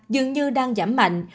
dường như đang giảm mạnh